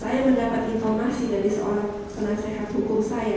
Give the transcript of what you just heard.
saya mendapat informasi dari seorang penasehat hukum saya